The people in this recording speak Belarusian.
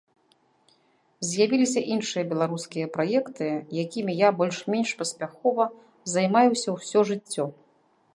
З'явіліся іншыя беларускія праекты, якімі я больш-менш паспяхова займаюся ўсё жыццё.